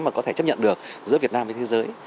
mà có thể chấp nhận được giữa việt nam với thế giới